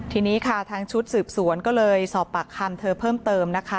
ทีนี้ค่ะทางชุดสืบสวนก็เลยสอบปากคำเธอเพิ่มเติมนะคะ